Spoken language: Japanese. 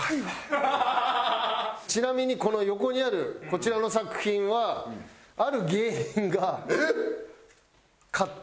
ちなみにこの横にあるこちらの作品はある芸人が。えっ！？